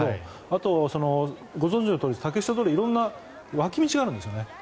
あと、ご存じのとおり竹下通りは色んな脇道があるんですね。